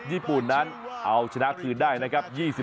ญี่ปุ่นนั้นเอาชนะคืนได้นะครับ